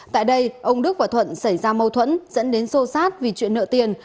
tại đây ông đức và thuận xảy ra mâu thuẫn dẫn đến xô xát vì chuyện nợ tiền